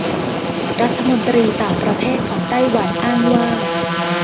รัฐมนตรีต่างประเทศของไต้หวันอ้างว่า